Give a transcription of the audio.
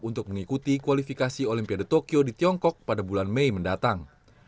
untuk mengikuti kualifikasi olimpiade tokyo di tiongkok pada bulan mei mendatang